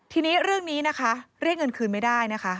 ทีนี้เรื่องนี้นะคะเรียกเงินคืนไม่ได้นะคะ